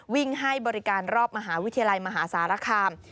วิ่งให้บริการรอบมหาวิทยาลัยมหาสารคาม